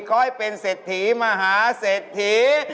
ขอให้เป็นเศรษฐีมหาเศรษฐี